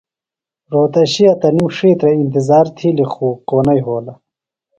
رہوتشیہ تنِم ڇھیترہ ا نتظار تھِیلیۡ خو کو نہ یھولہ۔